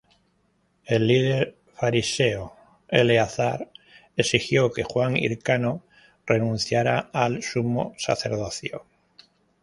El líder fariseo Eleazar exigió que Juan Hircano renunciara al sumo sacerdocio.